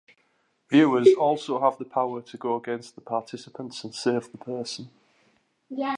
Viewers also have the power to go against the participants and save the person.